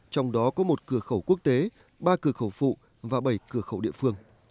trong đó có một cửa khẩu quốc tế ba cửa khẩu phụ và bảy cửa khẩu phụ